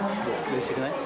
うれしくない？